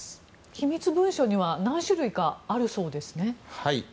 機密文書には何種類かあるそうですね。